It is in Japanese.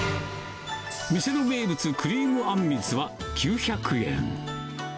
店の名物、クリームあんみつは９００円。